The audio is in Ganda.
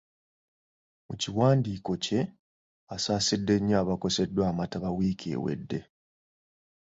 Mu kiwandiiko kye, asaasidde nnyo abakoseddwa amataba wiiki ewedde